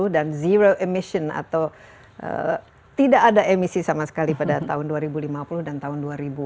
dan zero emission atau tidak ada emisi sama sekali pada tahun dua ribu lima puluh dan tahun dua ribu enam puluh